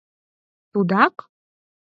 Тудак?!